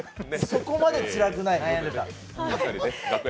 そこまでつらくない。